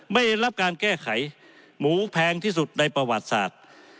ได้รับการแก้ไขหมูแพงที่สุดในประวัติศาสตร์